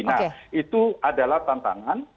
nah itu adalah tantangan